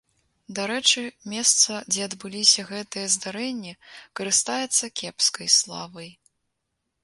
Дарэчы, месца, дзе адбыліся гэтыя здарэнні, карыстаецца кепскай славай.